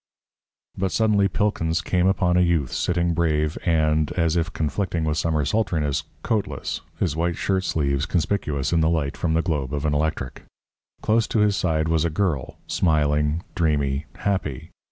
But suddenly Pilkins came upon a youth sitting brave and, as if conflicting with summer sultriness, coatless, his white shirt sleeves conspicuous in the light from the globe of an electric. Close to his side was a girl, smiling, dreamy, happy.